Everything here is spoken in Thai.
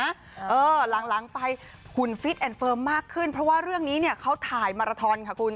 เออหลังไปหุ่นฟิตแอนดเฟิร์มมากขึ้นเพราะว่าเรื่องนี้เนี่ยเขาถ่ายมาราทอนค่ะคุณ